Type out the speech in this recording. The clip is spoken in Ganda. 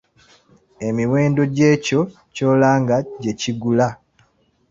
Emiwendo gy'ekyo ky'olanga gyekigula.